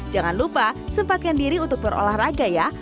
jangan lupa sempatkan diri untuk berolahraga ya